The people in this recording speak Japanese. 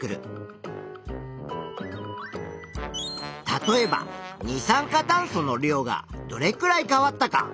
例えば二酸化炭素の量がどれくらい変わったか。